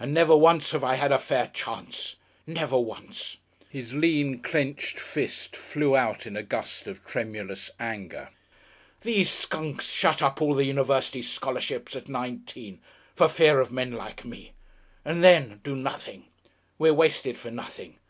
And never once have I had a fair chance, never once!" His lean, clenched fist flew out in a gust of tremulous anger. "These Skunks shut up all the university scholarships at nineteen for fear of men like me. And then do nothin'.... We're wasted for nothing.